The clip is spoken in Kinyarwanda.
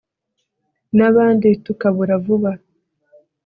nabandi tukabura vuba